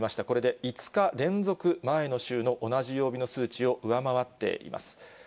これで５日連続、前の週の同じ曜日の数値を上回っています。